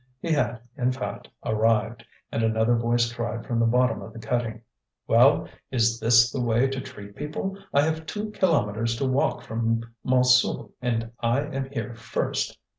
He had, in fact, arrived, and another voice cried from the bottom of the cutting: "Well, is this the way to treat people? I have two kilometres to walk from Montsou and I am here first."